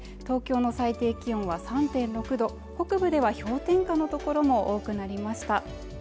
東京の最低気温は３．６度北部では氷点下の所も多くなりました